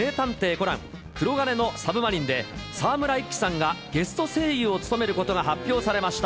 コナン黒鉄の魚影で、沢村一樹さんがゲスト声優を務めることが発表されました。